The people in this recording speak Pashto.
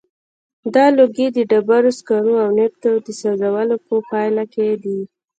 دا لوګی د ډبرو سکرو او نفتو د سوځولو په پایله کې دی.